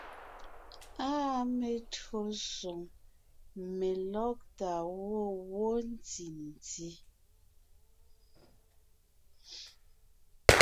Áa metÿǒsoŋ , melɔ́gtà gwɔ̂ wó ntì ntí.